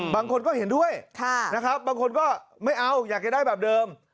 บางคนก็เห็นด้วยนะครับบางคนก็ไม่เอาอยากจะได้แบบเดิม